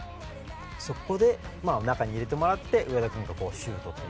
そこで中に入れてもらって上田君がシュート。